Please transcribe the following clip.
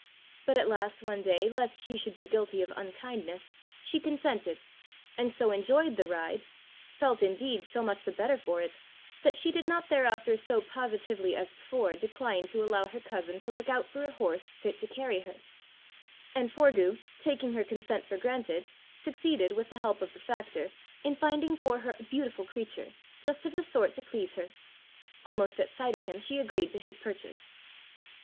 But at last one day, lest she should be guilty of unkindness, she consented, and so enjoyed the ride felt, indeed, so much the better for it, that she did not thereafter so positively as before decline to allow her cousin to look out for a horse fit to carry her; and Forgue, taking her consent for granted, succeeded, with the help of the factor, in finding for her a beautiful creature, just of the sort to please her. Almost at sight of him she agreed to his purchase.